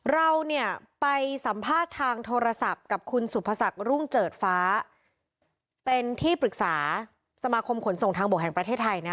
เราเนี่ยไปสัมภาษณ์ทางโทรศัพท์กับคุณสุภศักดิ์รุ่งเจิดฟ้าเป็นที่ปรึกษาสมาคมขนส่งทางบกแห่งประเทศไทยนะ